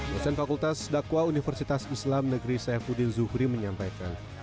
pesan fakultas dakwa universitas islam negeri saifuddin zuhri menyampaikan